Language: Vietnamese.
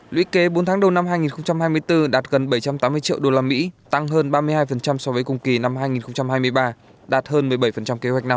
lũy kế bốn tháng đầu năm hai nghìn hai mươi bốn đạt gần bảy trăm tám mươi triệu usd tăng hơn ba mươi hai so với cùng kỳ năm hai nghìn hai mươi ba đạt hơn một mươi bảy kế hoạch năm hai nghìn hai